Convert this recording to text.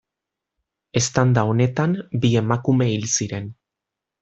Eztanda honetan bi emakume hil ziren.